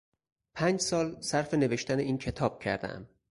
پنج سال صرف نوشتن این کتاب کردهام.